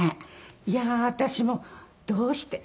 いやー私もどうして。